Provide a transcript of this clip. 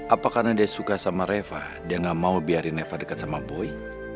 apa karena dia suka sama rafa dia gak mau biarin rafa deket sama boy